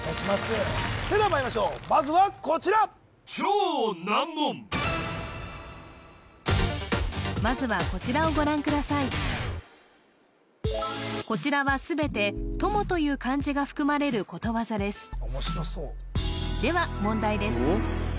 それではまいりましょうまずはこちらまずはこちらは全て「友」という漢字が含まれることわざですでは問題です